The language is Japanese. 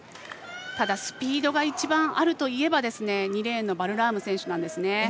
ただスピードが一番あるといえば２レーンのバルラーム選手なんですね。